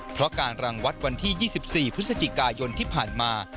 เพราะการรังวัดวันที่๒๔พฤศจิกายนที่ผ่านมา